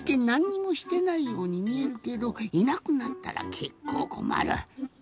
なんにもしてないようにみえるけどいなくなったらけっこうこまる。